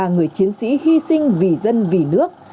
người chiến sĩ hy sinh vì dân vì nước